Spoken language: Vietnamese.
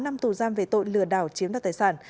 một mươi bốn năm tù giam về tội lừa đảo chiếm đoạt tài sản